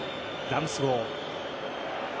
ダムスゴー。